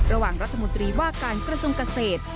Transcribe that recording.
ระหว่างรัฐมนตรีว่าการกระทรวงเกษตร